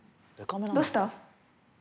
どうした？